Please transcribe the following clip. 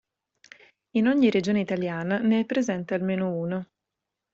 In ogni regione italiana ne è presente almeno uno.